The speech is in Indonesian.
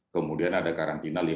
kemudian ada karantina